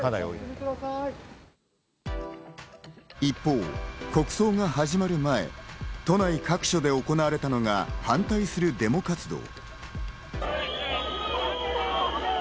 一方、国葬が始まる前、都内各所で行われたのが反対するデモ活動。